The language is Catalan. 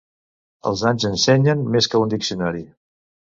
Els anys ensenyen més que un diccionari.